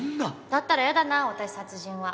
だったらやだな私殺人は。